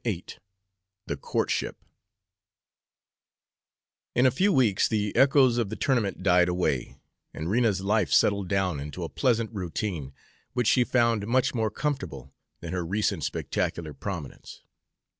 VIII THE COURTSHIP In a few weeks the echoes of the tournament died away, and Rena's life settled down into a pleasant routine, which she found much more comfortable than her recent spectacular prominence.